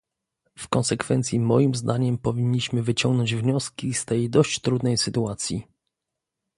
W konsekwencji moim zdaniem powinniśmy wyciągnąć wnioski z tej dość trudnej sytuacji